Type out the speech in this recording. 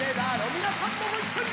皆さんもご一緒に！